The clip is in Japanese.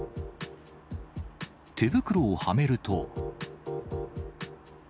手袋をはめると。